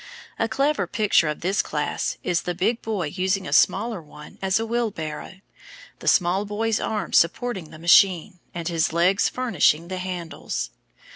A clever picture of this class is the big boy using a smaller one as a wheelbarrow, the small boy's arms supporting the machine, and his legs furnishing the handles.